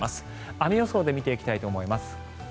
雨予想で見ていきたいと思います。